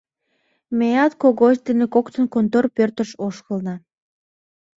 Меат Когось дене коктын контор пӧртыш ошкылна.